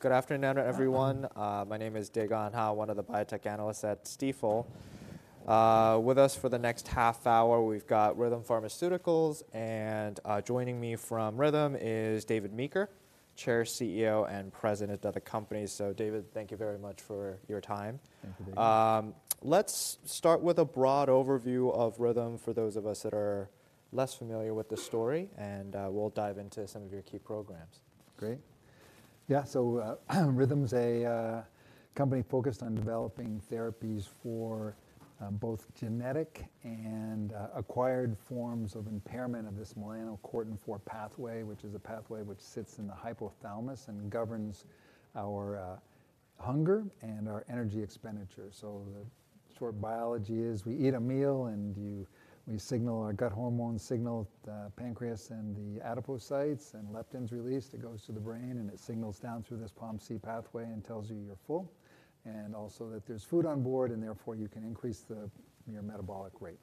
Good afternoon, everyone. My name is Dae Gon Ha, one of the biotech analysts at Stifel. With us for the next half hour, we've got Rhythm Pharmaceuticals, and joining me from Rhythm is David Meeker, Chair, CEO, and President of the company. So David, thank you very much for your time. Thank you, Dae. Let's start with a broad overview of Rhythm for those of us that are less familiar with the story, and we'll dive into some of your key programs. Great. Yeah, so, Rhythm's a company focused on developing therapies for both genetic and acquired forms of impairment of this melanocortin-4 pathway, which is a pathway which sits in the hypothalamus and governs our hunger and our energy expenditure. So the short biology is we eat a meal, and we signal, our gut hormones signal the pancreas and the adipocytes, and leptin's released. It goes to the brain, and it signals down through this POMC pathway and tells you you're full, and also that there's food on board, and therefore, you can increase your metabolic rate.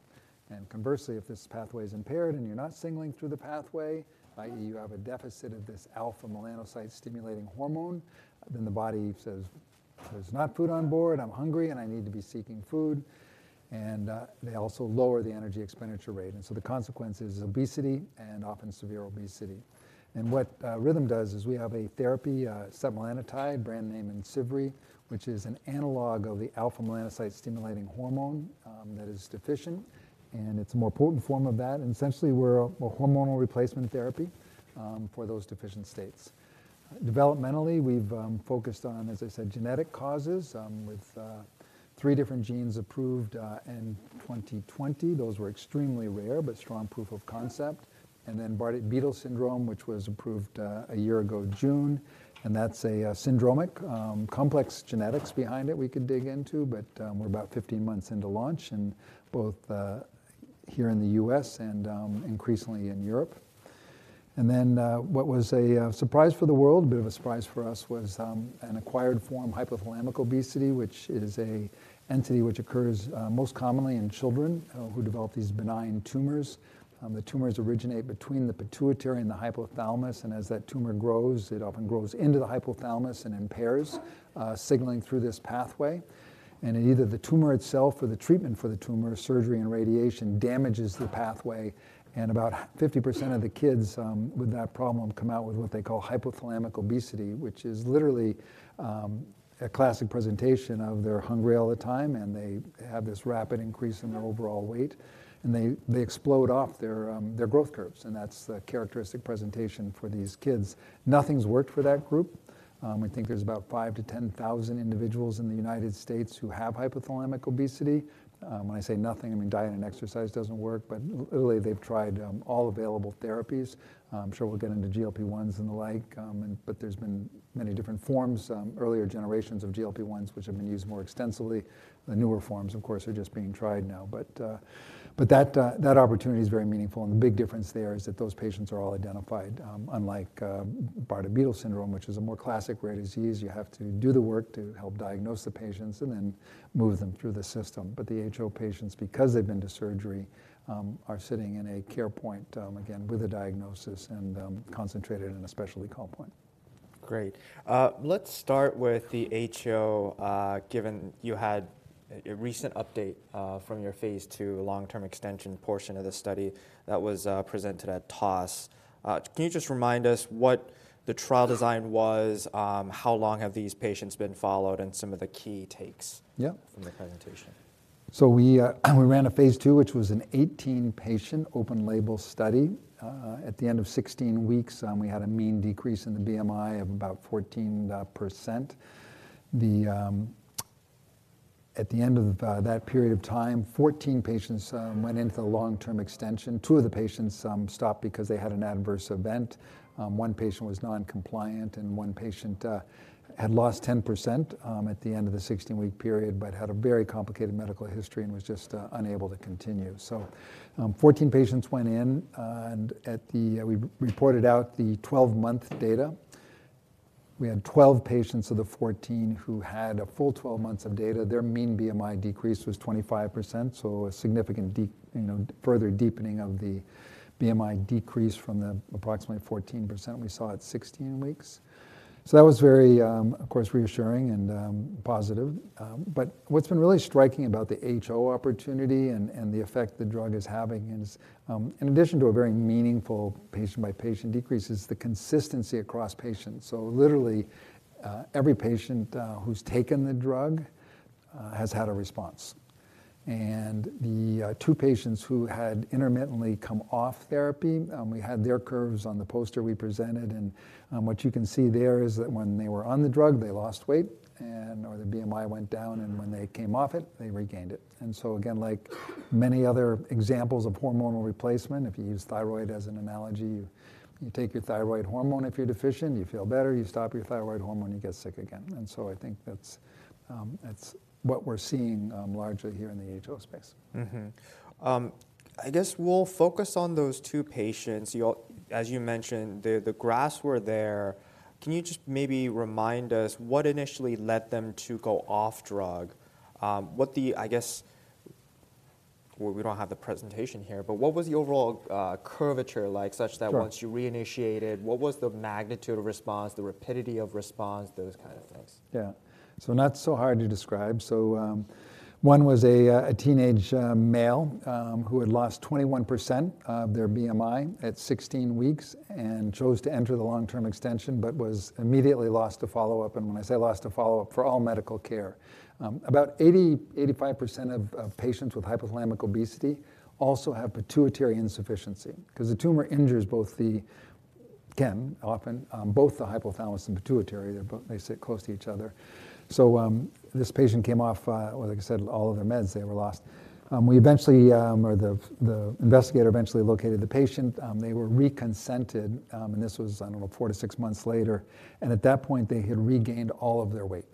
And conversely, if this pathway is impaired and you're not signaling through the pathway, i.e., you have a deficit of this alpha-melanocyte-stimulating hormone, then the body says, "There's not food on board. I'm hungry, and I need to be seeking food." They also lower the energy expenditure rate, and so the consequence is obesity and often severe obesity. What Rhythm does is we have a therapy, setmelanotide, brand name IMCIVREE, which is an analog of the alpha-melanocyte-stimulating hormone that is deficient, and it's a more potent form of that. Essentially, we're a hormonal replacement therapy for those deficient states. Developmentally, we've focused on, as I said, genetic causes with three different genes approved in 2020. Those were extremely rare, but strong proof of concept. And then Bardet-Biedl syndrome, which was approved a year ago, June, and that's a syndromic complex genetics behind it we could dig into, but we're about 15 months into launch, and both here in the U.S. and increasingly in Europe. And then what was a surprise for the world, a bit of a surprise for us, was an acquired form, hypothalamic obesity, which is an entity which occurs most commonly in children who develop these benign tumors. The tumors originate between the pituitary and the hypothalamus, and as that tumor grows, it often grows into the hypothalamus and impairs signaling through this pathway. Either the tumor itself or the treatment for the tumor, surgery and radiation, damages the pathway, and about 50% of the kids with that problem come out with what they call hypothalamic obesity, which is literally a classic presentation of they're hungry all the time, and they have this rapid increase in their overall weight, and they explode off their growth curves, and that's the characteristic presentation for these kids. Nothing's worked for that group. We think there's about 5,000-10,000 individuals in the United States who have hypothalamic obesity. When I say nothing, I mean, diet and exercise doesn't work, but literally, they've tried all available therapies. I'm sure we'll get into GLP-1s and the like. But there's been many different forms, earlier generations of GLP-1s, which have been used more extensively. The newer forms, of course, are just being tried now. But, but that, that opportunity is very meaningful, and the big difference there is that those patients are all identified, unlike, Bardet-Biedl syndrome, which is a more classic rare disease. You have to do the work to help diagnose the patients and then move them through the system. But the HO patients, because they've been to surgery, are sitting in a care point, again, with a diagnosis and, concentrated in a specialty call point. Great. Let's start with the HO, given you had a recent update from your phase II long-term extension portion of the study that was presented at TOS. Can you just remind us what the trial design was, how long have these patients been followed, and some of the key takes from the presentation? So we ran a phase II, which was an 18-patient open label study. At the end of 16 weeks, we had a mean decrease in the BMI of about 14%. At the end of that period of time, 14 patients went into the long-term extension. Two of the patients stopped because they had an adverse event, one patient was non-compliant, and one patient had lost 10% at the end of the 16-week period, but had a very complicated medical history and was just unable to continue. So, 14 patients went in, and at the, we reported out the 12-month data. We had 12 patients of the 14 who had a full 12 months of data. Their mean BMI decrease was 25%, so a significant you know, further deepening of the BMI decrease from the approximately 14% we saw at 16 weeks. So that was very, of course, reassuring and, positive. But what's been really striking about the HO opportunity and the effect the drug is having is, in addition to a very meaningful patient-by-patient decrease, the consistency across patients. So literally, every patient who's taken the drug has had a response. And the two patients who had intermittently come off therapy, we had their curves on the poster we presented, and what you can see there is that when they were on the drug, they lost weight, and... or their BMI went down, and when they came off it, they regained it. And so again, like many other examples of hormonal replacement, if you use thyroid as an analogy, you take your thyroid hormone if you're deficient, you feel better, you stop your thyroid hormone, you get sick again. And so I think that's what we're seeing, largely here in the HO space. I guess we'll focus on those two patients. You'll. As you mentioned, the graphs were there. Can you just maybe remind us what initially led them to go off drug? We don't have the presentation here, but what was the overall curvature like, such that- Sure Once you reinitiated, what was the magnitude of response, the rapidity of response, those kind of things? Yeah. So not so hard to describe. So, one was a teenage male who had lost 21% of their BMI at 16 weeks, and chose to enter the long-term extension, but was immediately lost to follow-up, and when I say lost to follow-up, for all medical care. About 80%-85% of patients with hypothalamic obesity also have pituitary insufficiency, 'cause the tumor injures both the hypothalamus and pituitary, again, often both the hypothalamus and pituitary, they're both. They sit close to each other. So, this patient came off, like I said, all of their meds, they were lost. We eventually or the investigator eventually located the patient. They were reconsented, and this was, I don't know, four to six months later, and at that point, they had regained all of their weight.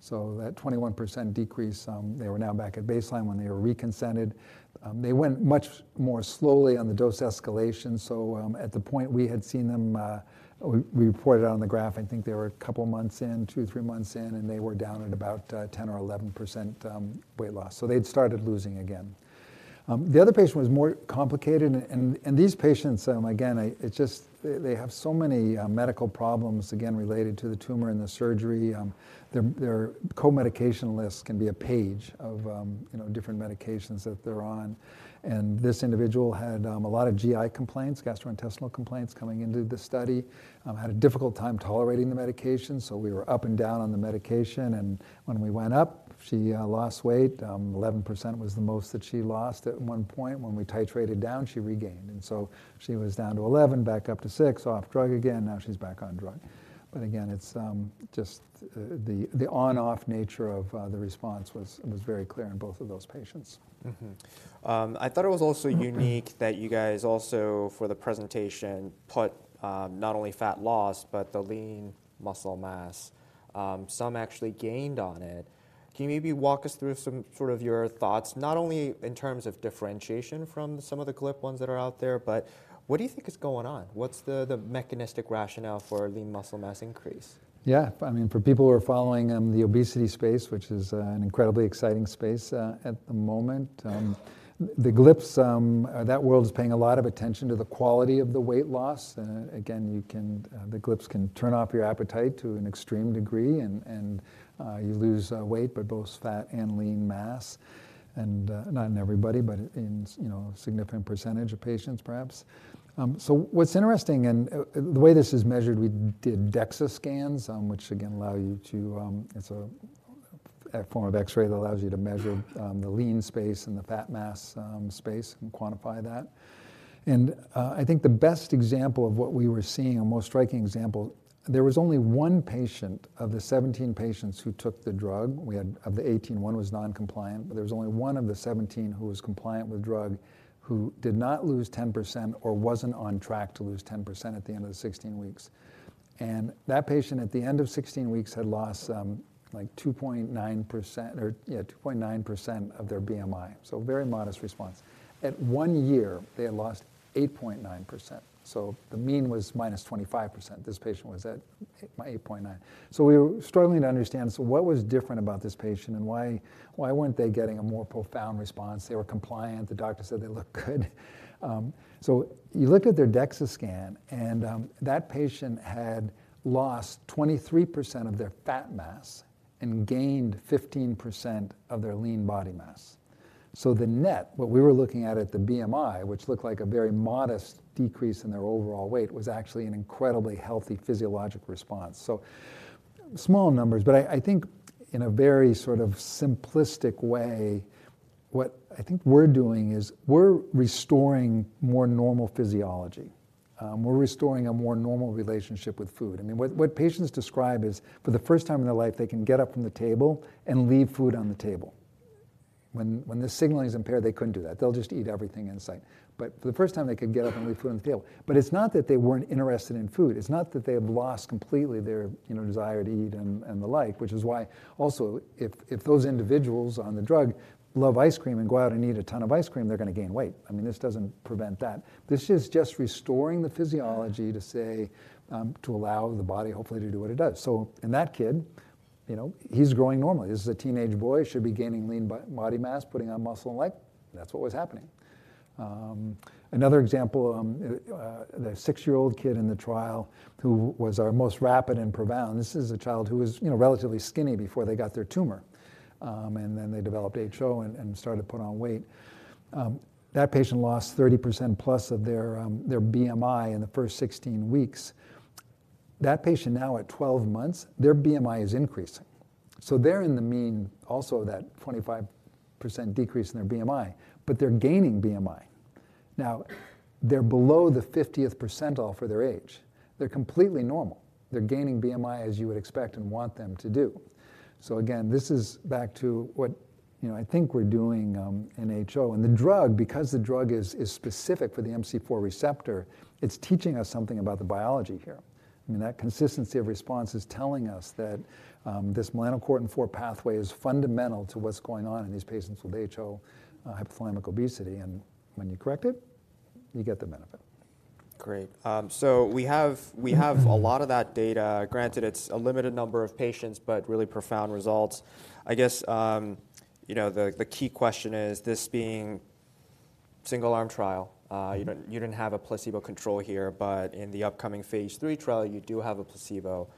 So that 21% decrease, they were now back at baseline when they were reconsented. They went much more slowly on the dose escalation, so at the point we had seen them... We reported it on the graph, I think they were a couple of months in, two, three months in, and they were down at about 10% or 11% weight loss. So they'd started losing again. The other patient was more complicated and these patients, again, it's just they have so many medical problems, again, related to the tumor and the surgery. Their co-medication list can be a page of, you know, different medications that they're on, and this individual had a lot of GI complaints, gastrointestinal complaints, coming into the study. Had a difficult time tolerating the medication, so we were up and down on the medication, and when we went up, she lost weight. 11% was the most that she lost at one point. When we titrated down, she regained, and so she was down to 11%, back up to 6%, off drug again, now she's back on drug. But again, it's just the on/off nature of the response was very clear in both of those patients. I thought it was also unique that you guys also, for the presentation, put not only fat loss, but the lean muscle mass. Some actually gained on it. Can you maybe walk us through some sort of your thoughts, not only in terms of differentiation from some of the GLP-1s that are out there, but what do you think is going on? What's the mechanistic rationale for lean muscle mass increase? Yeah. I mean, for people who are following, the obesity space, which is, an incredibly exciting space, at the moment, the GLPs, that world is paying a lot of attention to the quality of the weight loss. Again, you can, the GLPs can turn off your appetite to an extreme degree, and, and, you lose, weight, but both fat and lean mass, and, not in everybody, but in, you know, a significant percentage of patients, perhaps. So what's interesting, and, the way this is measured, we did DEXA scans, which again, allow you to... It's a, a form of X-ray that allows you to measure, the lean mass and the fat mass, space and quantify that. I think the best example of what we were seeing, a more striking example, there was only one patient of the 17 patients who took the drug, of the 18, one was non-compliant, but there was only one of the 17 who was compliant with the drug, who did not lose 10% or wasn't on track to lose 10% at the end of the 16 weeks. And that patient, at the end of 16 weeks, had lost, like 2.9% or, yeah, 2.9% of their BMI. So a very modest response. At one year, they had lost 8.9%, so the mean was -25%. This patient was at 8.9. So we were struggling to understand, so what was different about this patient, and why, why weren't they getting a more profound response? They were compliant, the doctor said they looked good. So you look at their DEXA scan, and that patient had lost 23% of their fat mass and gained 15% of their lean body mass. So the net, what we were looking at at the BMI, which looked like a very modest decrease in their overall weight, was actually an incredibly healthy physiologic response. So small numbers, but I think in a very sort of simplistic way, what I think we're doing is we're restoring more normal physiology. We're restoring a more normal relationship with food. I mean, what patients describe is, for the first time in their life, they can get up from the table and leave food on the table. When the signaling is impaired, they couldn't do that. They'll just eat everything in sight. But for the first time, they could get up and leave food on the table. But it's not that they weren't interested in food. It's not that they have lost completely their, you know, desire to eat and the like, which is why also, if those individuals on the drug love ice cream and go out and eat a ton of ice cream, they're gonna gain weight. I mean, this doesn't prevent that. This is just restoring the physiology to say, to allow the body hopefully to do what it does. So in that kid, you know, he's growing normally. This is a teenage boy, should be gaining lean body mass, putting on muscle and leg. That's what was happening. Another example, the six-year-old kid in the trial who was our most rapid and profound, this is a child who was, you know, relatively skinny before they got their tumor, and then they developed HO and started to put on weight. That patient lost 30% plus of their BMI in the first 16 weeks. That patient now at 12 months, their BMI is increasing. So they're in the mean also of that 25% decrease in their BMI, but they're gaining BMI. Now, they're below the 50th percentile for their age. They're completely normal. They're gaining BMI as you would expect and want them to do. Again, this is back to what, you know, I think we're doing in HO. The drug, because the drug is specific for the MC4 receptor, it's teaching us something about the biology here. I mean, that consistency of response is telling us that this melanocortin-4 pathway is fundamental to what's going on in these patients with HO, hypothalamic obesity, and when you correct it, you get the benefit. Great. So we have a lot of that data. Granted, it's a limited number of patients, but really profound results. I guess, you know, the key question is, this being single-arm trial. You didn't have a placebo control here, but in the upcoming Phase III trial, you do have a placebo.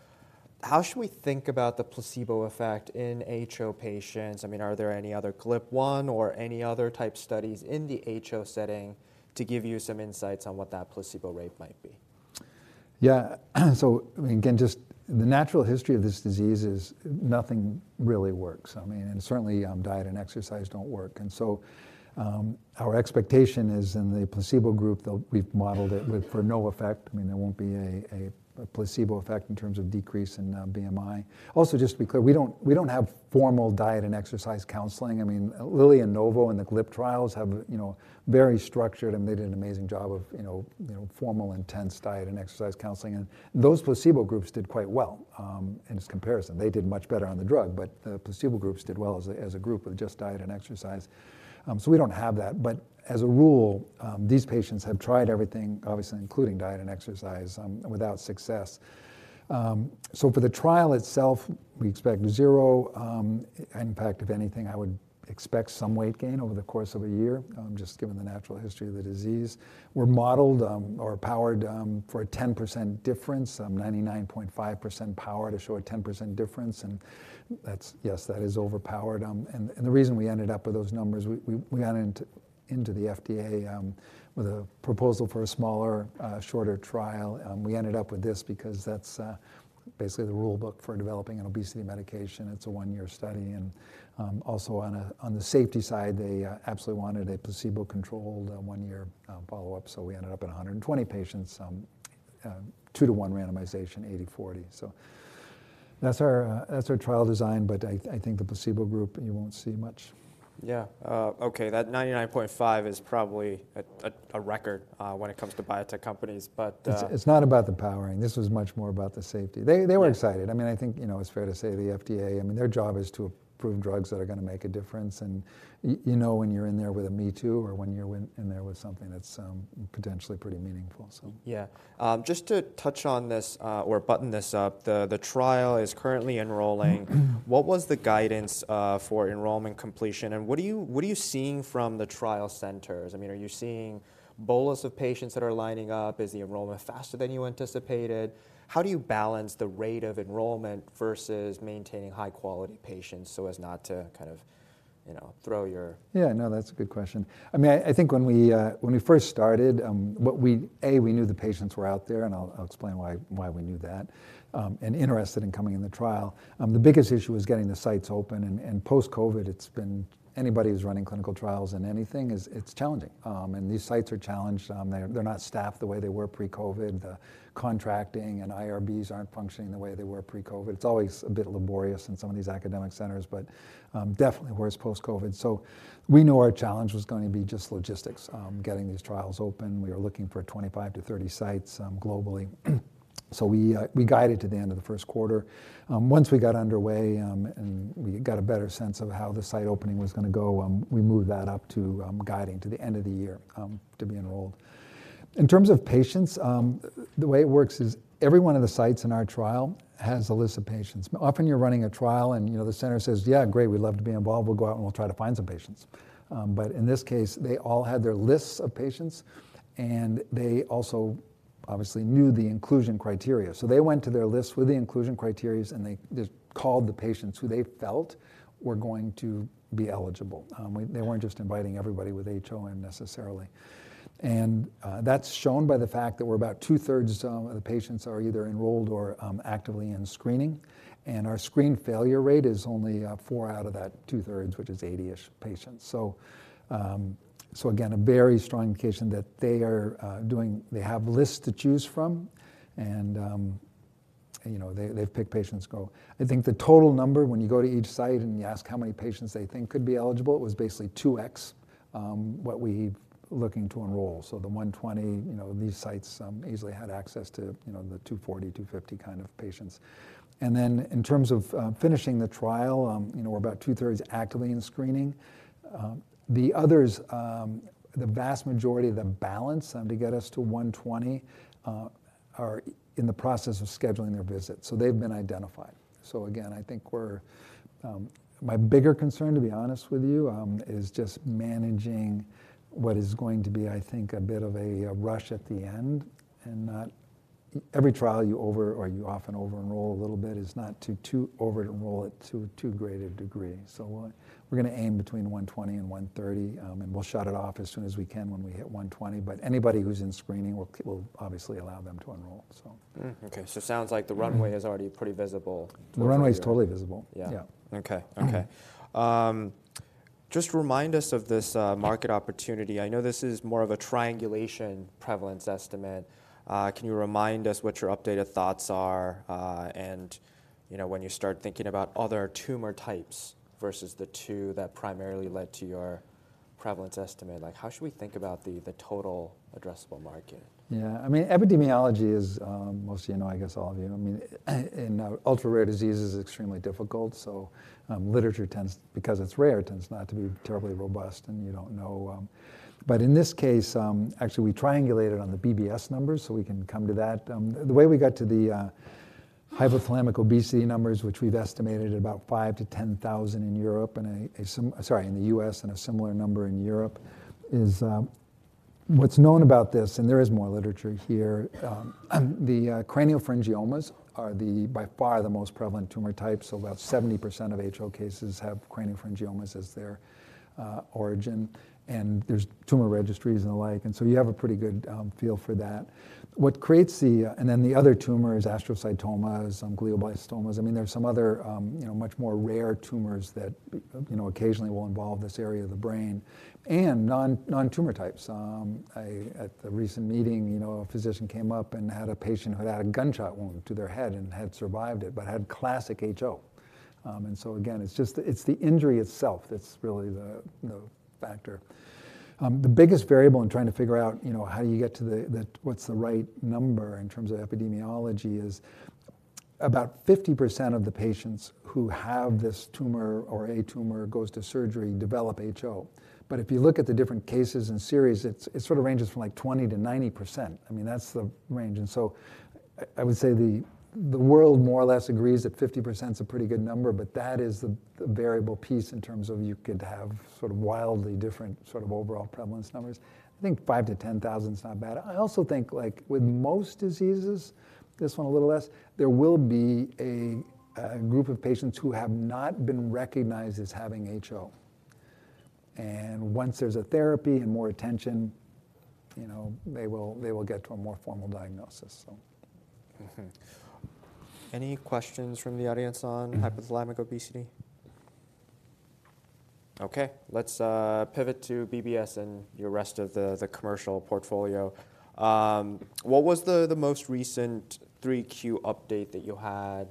How should we think about the placebo effect in HO patients? I mean, are there any other GLP-1 or any other type studies in the HO setting to give you some insights on what that placebo rate might be? Yeah. So, again, just the natural history of this disease is nothing really works. I mean, and certainly, diet and exercise don't work. And so, our expectation is, in the placebo group, they'll—we've modeled it with for no effect. I mean, there won't be a placebo effect in terms of decrease in BMI. Also, just to be clear, we don't have formal diet and exercise counseling. I mean, Lilly and Novo in the GLP trials have, you know, very structured, and they did an amazing job of, you know, you know, formal, intense diet and exercise counseling, and those placebo groups did quite well in this comparison. They did much better on the drug, but the placebo groups did well as a group of just diet and exercise. So we don't have that. But as a rule, these patients have tried everything, obviously, including diet and exercise, without success. So for the trial itself, we expect zero impact. If anything, I would expect some weight gain over the course of a year, just given the natural history of the disease. We're modeled or powered for a 10% difference, 99.5% power to show a 10% difference. And that's, yes, that is overpowered. And the reason we ended up with those numbers, we got into the FDA with a proposal for a smaller, shorter trial. We ended up with this because that's basically the rulebook for developing an obesity medication. It's a 1-year study, and also on the safety side, they absolutely wanted a placebo-controlled, 1-year follow-up, so we ended up at 120 patients, two to one randomization, 80/40. So that's our, that's our trial design, but I think the placebo group, you won't see much. Yeah. Okay, that 99.5 is probably a record when it comes to biotech companies, but- It's not about the powering. This was much more about the safety. They were excited. I mean, I think, you know, it's fair to say, the FDA, I mean, their job is to approve drugs that are gonna make a difference. And you know, when you're in there with a me too, or when you're in there with something that's potentially pretty meaningful, so. Yeah. Just to touch on this, or button this up, the trial is currently enrolling. What was the guidance for enrollment completion, and what are you seeing from the trial centers? I mean, are you seeing bolus of patients that are lining up? Is the enrollment faster than you anticipated? How do you balance the rate of enrollment versus maintaining high-quality patients so as not to kind of, you know, throw your- Yeah, no, that's a good question. I mean, I think when we first started, we knew the patients were out there, and I'll explain why we knew that, and interested in coming in the trial. The biggest issue was getting the sites open, and post-COVID, it's been anybody who's running clinical trials in anything is it's challenging. And these sites are challenged. They're not staffed the way they were pre-COVID. The contracting and IRBs aren't functioning the way they were pre-COVID. It's always a bit laborious in some of these academic centers, but definitely worse post-COVID. So we knew our challenge was gonna be just logistics, getting these trials open. We are looking for 25-30 sites, globally. So we guided to the end of the first quarter. Once we got underway, and we got a better sense of how the site opening was gonna go, we moved that up to guiding to the end of the year to be enrolled. In terms of patients, the way it works is every one of the sites in our trial has a list of patients. Often you're running a trial, and, you know, the center says, "Yeah, great, we'd love to be involved. We'll go out and we'll try to find some patients." But in this case, they all had their lists of patients, and they also obviously knew the inclusion criteria. So they went to their list with the inclusion criteria, and they just called the patients who they felt were going to be eligible. They weren't just inviting everybody with HO unnecessarily. That's shown by the fact that we're about two-thirds of the patients are either enrolled or actively in screening, and our screen failure rate is only four out of that two-thirds, which is 80-ish patients. So again, a very strong indication that they are they have lists to choose from, and you know, they, they've picked patients go. I think the total number, when you go to each site and you ask how many patients they think could be eligible, it was basically 2x what we're looking to enroll. So the 120, you know, these sites easily had access to, you know, the 240, 250 kind of patients. And then, in terms of finishing the trial, you know, we're about two-thirds actively in screening. The others, the vast majority of the balance to get us to 120 are in the process of scheduling their visits, so they've been identified. So again, I think we're. My bigger concern, to be honest with you, is just managing what is going to be, I think, a bit of a rush at the end, and not every trial you over or you often over-enroll a little bit. It's not to too over-enroll it to too great a degree. So, we're gonna aim between 120 and 130, and we'll shut it off as soon as we can when we hit 120, but anybody who's in screening, we'll obviously allow them to enroll, so. Okay, so sounds like the runway is already pretty visible. The runway is totally visible. Yeah. Yeah. Okay. Okay. Just remind us of this market opportunity. I know this is more of a triangulation prevalence estimate. Can you remind us what your updated thoughts are, and, you know, when you start thinking about other tumor types versus the two that primarily led to your prevalence estimate? Like, how should we think about the total addressable market? Yeah, I mean, epidemiology is mostly annoying, I guess, all of you. I mean, ultra-rare disease is extremely difficult, so literature tends, because it's rare, tends not to be terribly robust, and you don't know... But in this case, actually, we triangulated on the BBS numbers, so we can come to that. The way we got to the hypothalamic obesity numbers, which we've estimated at about 5,000-10,000 in the U.S., and a similar number in Europe, is what's known about this, and there is more literature here, the craniopharyngiomas are by far the most prevalent tumor type. So about 70% of HO cases have craniopharyngiomas as their origin, and there's tumor registries and the like, and so you have a pretty good feel for that. What creates the... And then the other tumor is astrocytomas and glioblastomas. I mean, there are some other, you know, much more rare tumors that you know, occasionally will involve this area of the brain and non-tumor types. At a recent meeting, you know, a physician came up and had a patient who'd had a gunshot wound to their head and had survived it, but had classic HO. And so again, it's just the injury itself that's really the factor. The biggest variable in trying to figure out, you know, how do you get to the what's the right number in terms of epidemiology is, about 50% of the patients who have this tumor or a tumor goes to surgery develop HO. But if you look at the different cases and series, it sort of ranges from, like, 20%-90%. I mean, that's the range. So I would say the world more or less agrees that 50% is a pretty good number, but that is the variable piece in terms of you could have sort of wildly different sort of overall prevalence numbers. I think 5,000-10,000 is not bad. I also think, like, with most diseases, this one a little less, there will be a group of patients who have not been recognized as having HO, and once there's a therapy and more attention, you know, they will get to a more formal diagnosis, so. Any questions from the audience on hypothalamic obesity? Okay, let's pivot to BBS and your rest of the commercial portfolio. What was the most recent 3Q update that you had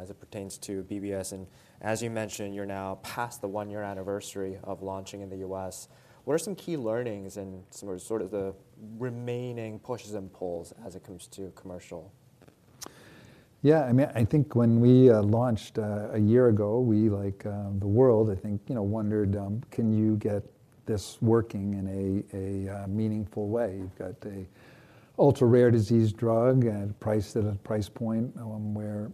as it pertains to BBS? And as you mentioned, you're now past the one-year anniversary of launching in the U.S. What are some key learnings and sort of the remaining pushes and pulls as it comes to commercial? Yeah, I mean, I think when we launched a year ago, like, the world, I think, you know, wondered, can you get this working in a meaningful way? You've got a ultra-rare disease drug and priced at a price point, where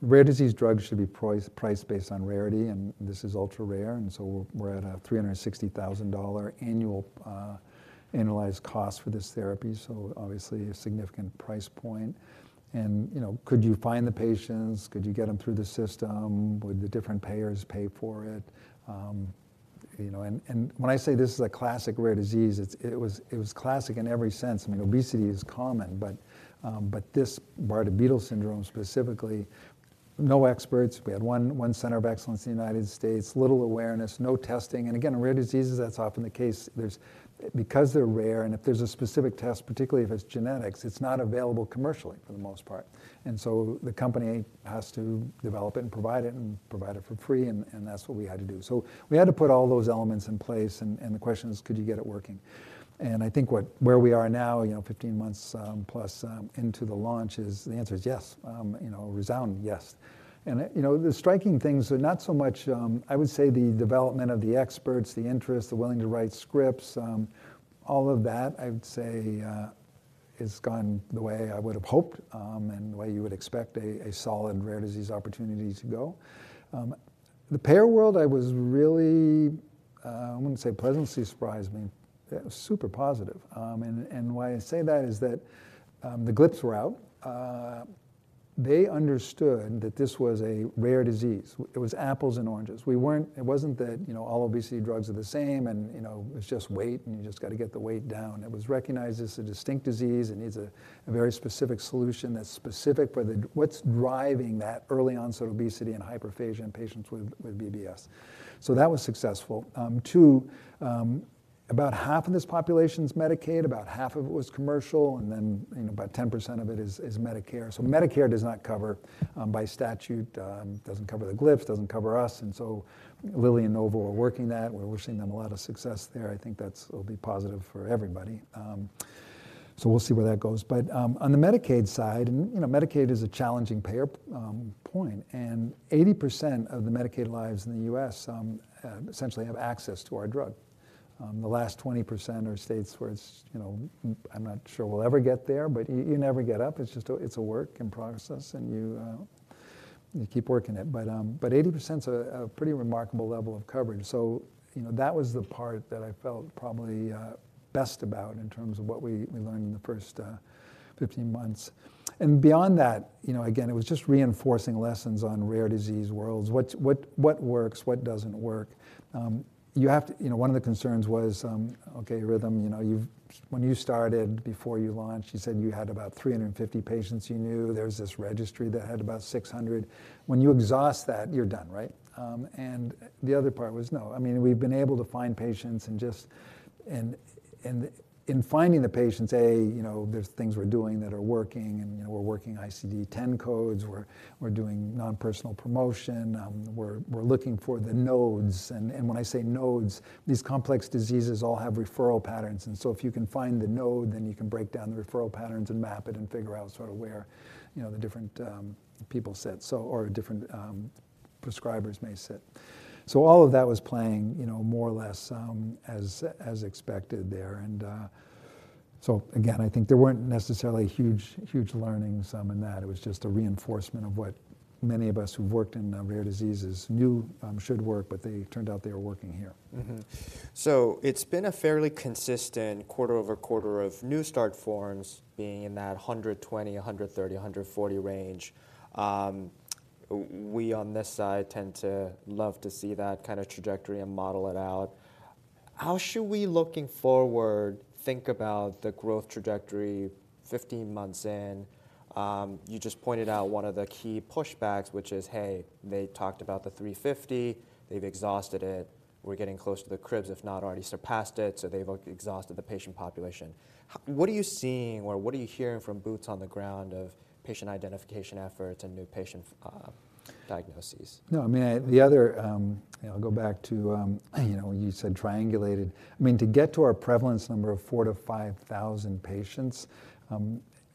rare disease drugs should be priced based on rarity, and this is ultra-rare, and so we're at a $360,000 annual analyzed cost for this therapy, so obviously a significant price point. You know, could you find the patients? Could you get them through the system? Would the different payers pay for it? You know, when I say this is a classic rare disease, it was classic in every sense. I mean, obesity is common, but this Bardet-Biedl syndrome, specifically, no experts. We had one center of excellence in the United States, little awareness, no testing, and again, in rare diseases, that's often the case. There's, because they're rare, and if there's a specific test, particularly if it's genetics, it's not available commercially, for the most part. And so the company has to develop it and provide it, and provide it for free, and that's what we had to do. So we had to put all those elements in place, and the question is: Could you get it working? And I think where we are now, you know, 15 months plus into the launch, is the answer is yes. You know, a resounding yes. And you know, the striking things are not so much... I would say the development of the experts, the interest, the willing to write scripts, all of that, I would say, has gone the way I would have hoped, and the way you would expect a solid rare disease opportunity to go. The payer world, I was really pleasantly surprised. It was super positive. And why I say that is that, the GLPs were out. They understood that this was a rare disease. It was apples and oranges. We weren't. It wasn't that, you know, all obesity drugs are the same and, you know, it's just weight, and you just gotta get the weight down. It was recognized as a distinct disease. It needs a very specific solution that's specific for what's driving that early onset obesity and hyperphagia in patients with BBS. So that was successful. Two, about half of this population is Medicaid, about half of it was commercial, and then, you know, about 10% of it is Medicare. So Medicare does not cover, by statute, doesn't cover the GLPs, doesn't cover us, and so Lilly and Novo are working that. We're wishing them a lot of success there. I think that's will be positive for everybody. So we'll see where that goes. But, on the Medicaid side, and, you know, Medicaid is a challenging payer point, and 80% of the Medicaid lives in the U.S. essentially have access to our drug. The last 20% are states where it's, you know, I'm not sure we'll ever get there, but you, you never get up. It's just a work in progress, and you keep working it. But 80% is a pretty remarkable level of coverage. So, you know, that was the part that I felt probably best about in terms of what we learned in the first 15 months. And beyond that, you know, again, it was just reinforcing lessons on rare disease worlds. What works? What doesn't work? You have to... You know, one of the concerns was, okay, Rhythm, you know, you've, when you started, before you launched, you said you had about 350 patients you knew. There was this registry that had about 600. When you exhaust that, you're done, right? And the other part was, no. I mean, we've been able to find patients and just... And in finding the patients, you know, there's things we're doing that are working, and, you know, we're working ICD-10 codes, we're doing non-personal promotion, we're looking for the nodes. And when I say nodes, these complex diseases all have referral patterns, and so if you can find the node, then you can break down the referral patterns and map it and figure out sort of where, you know, the different people sit, so or different prescribers may sit. So all of that was playing, you know, more or less as expected there, and... So again, I think there weren't necessarily huge, huge learnings in that. It was just a reinforcement of what many of us who've worked in, rare diseases knew, should work, but they turned out they were working here. Mm-hmm. So it's been a fairly consistent quarter-over-quarter of new start forms being in that 120, 130, 140 range. We on this side tend to love to see that kind of trajectory and model it out. How should we, looking forward, think about the growth trajectory 15 months in? You just pointed out one of the key pushbacks, which is, hey, they talked about the 350, they've exhausted it, we're getting close to the ceiling, if not already surpassed it, so they've, like, exhausted the patient population. What are you seeing, or what are you hearing from boots on the ground of patient identification efforts and new patient diagnoses? No, I mean, you know, go back to, you know, when you said triangulated. I mean, to get to our prevalence number of 4,000-5,000 patients,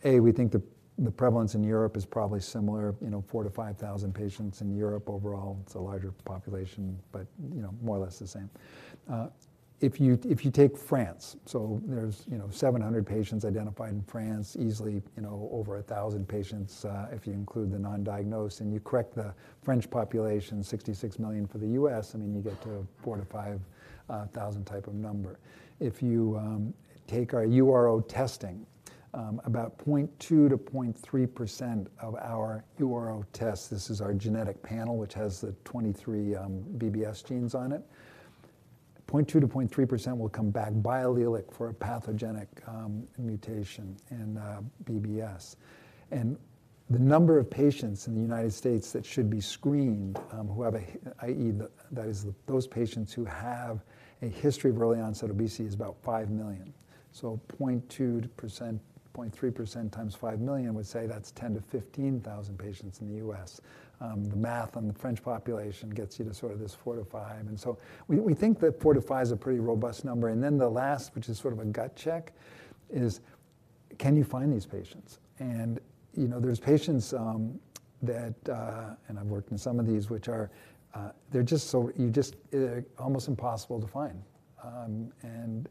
A, we think the, the prevalence in Europe is probably similar, you know, 4,000-5,000 patients in Europe overall. It's a larger population, but, you know, more or less the same. If you, if you take France, so there's, you know, 700 patients identified in France, easily, you know, over 1,000 patients, if you include the non-diagnosed, and you correct the French population, 66 million for the U.S., I mean, you get to 4,000-5,000 type of number. If you take our URO testing, about 0.2%-0.3% of our URO test, this is our genetic panel, which has the 23 BBS genes on it, 0.2%-0.3% will come back biallelic for a pathogenic mutation in BBS. The number of patients in the United States that should be screened, who have a, i.e., the, that is, those patients who have a history of early-onset obesity, is about 5 million. So 0.2%, 0.3% times 5 million, would say that's 10-15 thousand patients in the U.S. The math on the French population gets you to sort of this 4-5. And so we think that 4-5 is a pretty robust number, and then the last, which is sort of a gut check, is, can you find these patients? And you know, there's patients, and I've worked in some of these, which are, they're just so you just almost impossible to find. And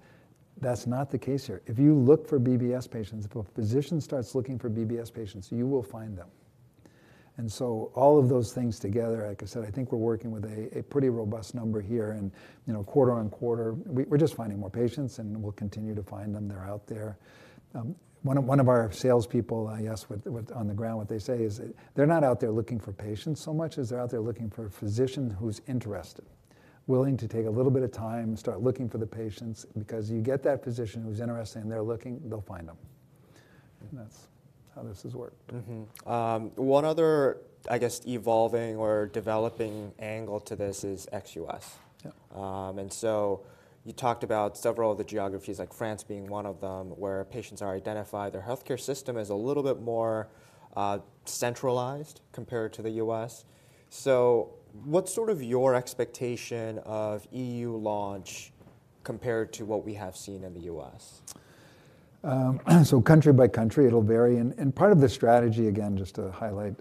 that's not the case here. If you look for BBS patients, if a physician starts looking for BBS patients, you will find them. And so all of those things together, like I said, I think we're working with a pretty robust number here, and you know, quarter on quarter, we're just finding more patients, and we'll continue to find them. They're out there. One of our salespeople, I asked what what. On the ground, what they say is, they're not out there looking for patients so much as they're out there looking for a physician who's interested, willing to take a little bit of time and start looking for the patients, because you get that physician who's interested and they're looking, they'll find them. That's how this has worked. One other, I guess, evolving or developing angle to this is ex-U.S. Yeah. And so you talked about several of the geographies, like France being one of them, where patients are identified. Their healthcare system is a little bit more centralized compared to the U.S. So what's sort of your expectation of EU launch compared to what we have seen in the U.S.? So country by country, it'll vary. And part of the strategy, again, just to highlight,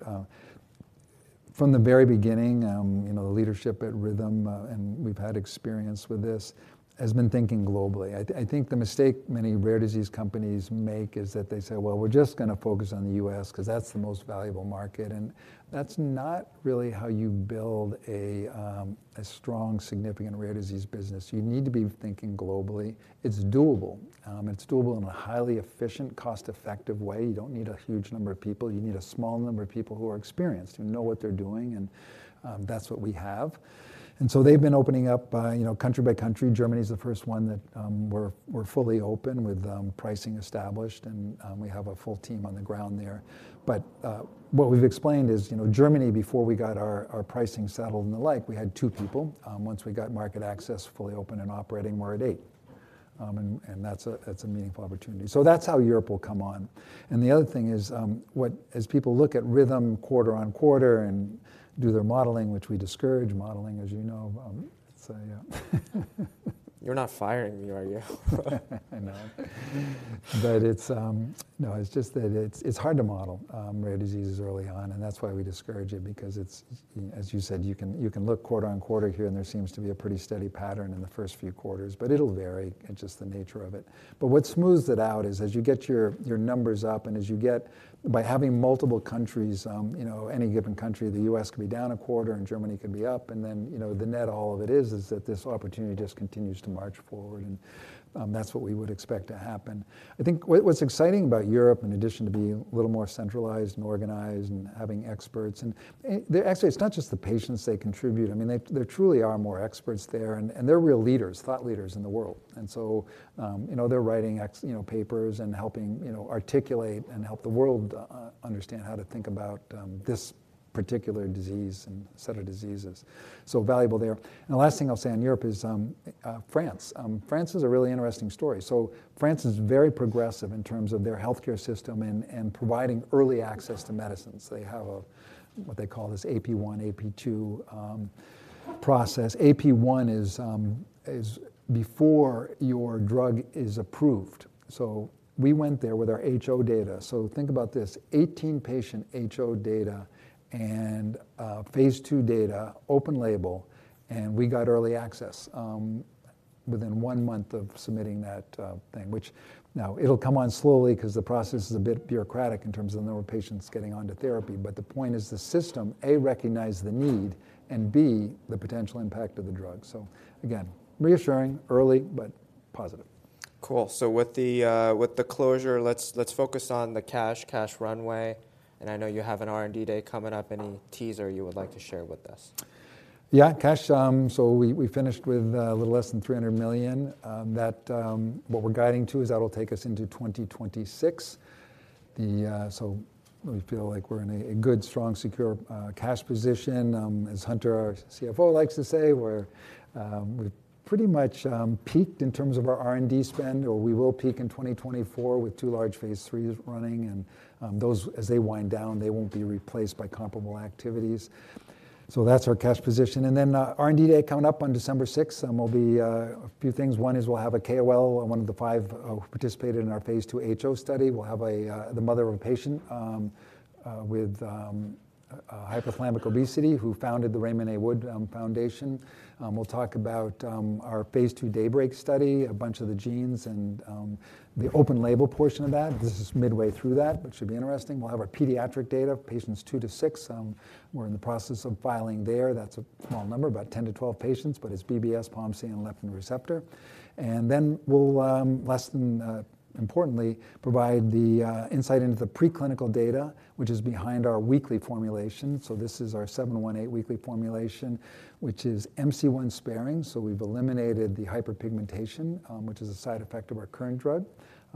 from the very beginning, you know, the leadership at Rhythm, and we've had experience with this, has been thinking globally. I think the mistake many rare disease companies make is that they say, "Well, we're just gonna focus on the U.S. 'cause that's the most valuable market." And that's not really how you build a strong, significant rare disease business. You need to be thinking globally. It's doable. It's doable in a highly efficient, cost-effective way. You don't need a huge number of people. You need a small number of people who are experienced, who know what they're doing, and that's what we have. And so they've been opening up by, you know, country by country. Germany is the first one that we're fully open with, pricing established, and we have a full team on the ground there. But what we've explained is, you know, Germany, before we got our pricing settled and the like, we had two people. Once we got market access fully open and operating, we're at eight. And that's a meaningful opportunity. So that's how Europe will come on. And the other thing is, as people look at Rhythm quarter-over-quarter and do their modeling, which we discourage modeling, as you know, so yeah. You're not firing me, are you? I know. But it's... No, it's just that it's hard to model rare diseases early on, and that's why we discourage it, because it's, as you said, you can look quarter on quarter here, and there seems to be a pretty steady pattern in the first few quarters, but it'll vary in just the nature of it. But what smooths it out is, as you get your numbers up, and as you get by having multiple countries, you know, any given country, the U.S. could be down a quarter, and Germany could be up, and then, you know, the net all of it is that this opportunity just continues to march forward, and that's what we would expect to happen. I think what's exciting about Europe, in addition to being a little more centralized and organized and having experts, and actually, it's not just the patients they contribute. I mean, there truly are more experts there, and they're real leaders, thought leaders in the world. And so, you know, they're writing, you know, papers and helping, you know, articulate and help the world understand how to think about this particular disease and set of diseases. So valuable there. And the last thing I'll say on Europe is France. France is a really interesting story. So France is very progressive in terms of their healthcare system and providing early access to medicines. They have what they call this AP1, AP2 process. AP1 is before your drug is approved. So we went there with our HO data. So think about this, 18-patient HO data and Phase II data, open label, and we got early access. Within one month of submitting that thing, which now it'll come on slowly 'cause the process is a bit bureaucratic in terms of the number of patients getting onto therapy. But the point is the system, A, recognized the need, and B, the potential impact of the drug. So again, reassuring, early, but positive. Cool. So with the closure, let's focus on the cash runway, and I know you have an R&D day coming up. Any teaser you would like to share with us? Yeah, cash, so we finished with a little less than $300 million. That, what we're guiding to, is that'll take us into 2026. So we feel like we're in a good, strong, secure cash position. As Hunter, our CFO, likes to say, we've pretty much peaked in terms of our R&D spend, or we will peak in 2024 with two large phase III's running, and those, as they wind down, they won't be replaced by comparable activities. So that's our cash position. And then, R&D Day coming up on December sixth will be a few things. One is we'll have a KOL, one of the five who participated in our phase II HO study. We'll have the mother of a patient with hypothalamic obesity, who founded the Raymond A. Wood Foundation. We'll talk about our phase II DAYBREAK study, a bunch of the genes and the open label portion of that. This is midway through that, which should be interesting. We'll have our pediatric data, patients two to six. We're in the process of filing there. That's a small number, about 10 to 12 patients, but it's BBS, POMC, and leptin receptor. And then we'll last and importantly provide the insight into the preclinical data, which is behind our weekly formulation. So this is our 718 weekly formulation, which is MC1 sparing, so we've eliminated the hyperpigmentation, which is a side effect of our current drug.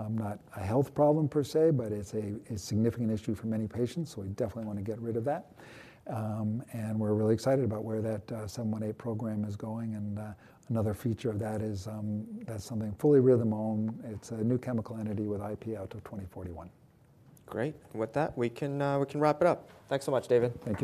Not a health problem per se, but it's a significant issue for many patients, so we definitely want to get rid of that. And we're really excited about where that 718 program is going, and another feature of that is, that's something fully Rhythm-owned. It's a new chemical entity with IP out to 2041. Great. And with that, we can, we can wrap it up. Thanks so much, David. Thank you.